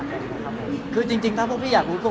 รับเครื่องเงินแล้วพูดก่อน